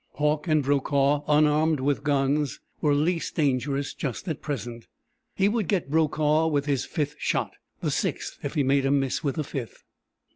Hauck and Brokaw, unarmed with guns, were least dangerous just at present. He would get Brokaw with his fifth shot the sixth if he made a miss with the fifth.